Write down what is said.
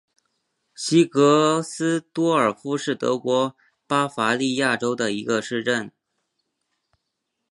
西格斯多尔夫是德国巴伐利亚州的一个市镇。